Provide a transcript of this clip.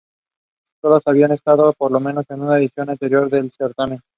Todas habían estado por lo menos en una edición anterior del certamen.